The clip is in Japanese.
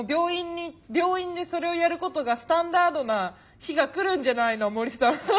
病院でそれをやることがスタンダードな日が来るんじゃないの森さん。